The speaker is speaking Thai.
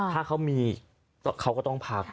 ถ้าเขามีเขาก็ต้องพัก